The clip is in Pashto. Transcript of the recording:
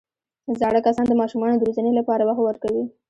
زاړه کسان د ماشومانو د روزنې لپاره وخت ورکوي